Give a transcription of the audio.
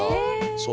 そう。